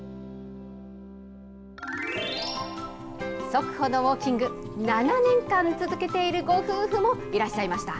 速歩のウォーキング、７年間続けているご夫婦もいらっしゃいました。